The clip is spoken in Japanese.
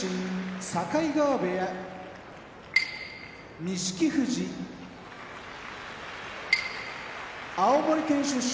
境川部屋錦富士青森県出身